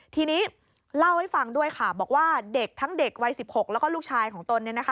ทีนี้เล่าให้ฟังด้วยค่ะบอกว่าเด็กทั้งเด็กวัย๑๖แล้วก็ลูกชายของตนเนี่ยนะคะ